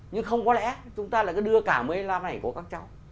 nhưng không có lẽ chúng ta lại cứ đưa cả một mươi năm này của các cháu